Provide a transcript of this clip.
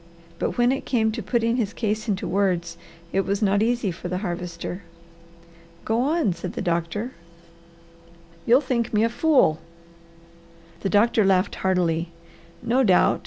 But when it came to putting his case into words, it was not easy for the Harvester. "Go on!" said the doctor. "You'll think me a fool." The doctor laughed heartily. "No doubt!"